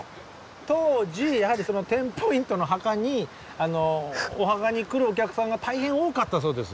当時やはりテンポイントの墓にお墓に来るお客さんが大変多かったそうです。